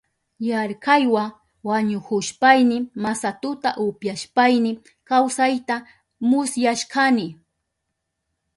Yarkaywa wañuhushpayni masatuta upyashpayni kawsayta musyashkani.